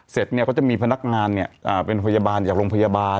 เสร็จเนี่ยเขาจะมีพนักงานเนี่ยเป็นพยาบาลอยากลงพยาบาล